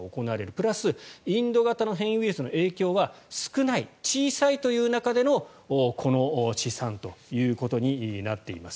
プラス、インド型の変異ウイルスの影響は少ない小さいという中でのこの試算ということになっています。